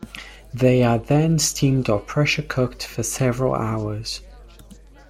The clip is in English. They are then steamed or pressure-cooked for several hours.